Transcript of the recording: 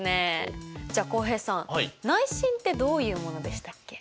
じゃあ浩平さん内心ってどういうものでしたっけ。